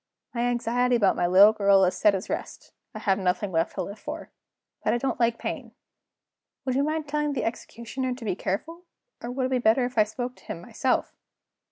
My anxiety about my little girl is set at rest; I have nothing left to live for. But I don't like pain. Would you mind telling the executioner to be careful? Or would it be better if I spoke to him myself?